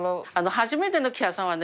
初めてのお客さんはね